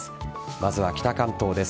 まずは北関東です。